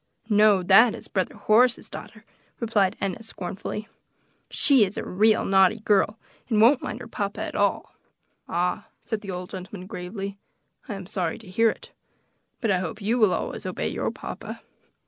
"No; that is brother Horace's daughter," replied Enna scornfully; "she is a real naughty girl, and won't mind her papa at all." "Ah!" said the old gentleman gravely, "I am sorry to hear it; but I hope you will always obey your papa."